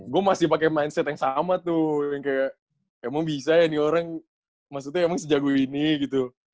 gue masih pakai mindset yang sama tuh yang kayak emang bisa ya nih orang maksudnya emang sejago ini gitu